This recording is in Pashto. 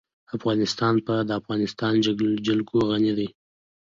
افغانستان په د افغانستان جلکو غني دی.